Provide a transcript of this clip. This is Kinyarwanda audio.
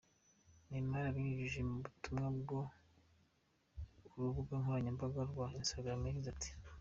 Neymar, abinyujije mu butumwa bwo ku rubuga nkoranyambaga rwa Instagram, yagize ati:.